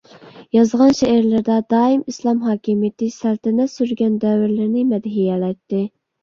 يازغان شېئىرلىرىدا دائىم ئىسلام ھاكىمىيىتى سەلتەنەت سۈرگەن دەۋرلىرىنى مەدھىيەلەيتتى.